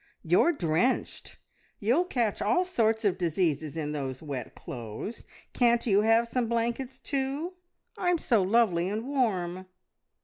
"You're drenched! You'll catch all sorts of diseases in those wet clothes. Can't you have some blankets too? I'm so lovely and warm."